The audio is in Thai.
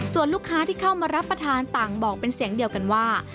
ส่วนลูกค้าที่เข้ามารับประทานต่างบอกเป็นเสียงเดียวกันว่า